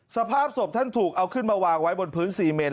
สภาพศพท่านถูกเอาขึ้นมาวางไว้บนพื้นซีเมน